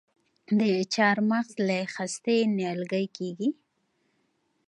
د چهارمغز له خستې نیالګی کیږي؟